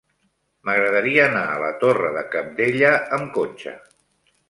M'agradaria anar a la Torre de Cabdella amb cotxe.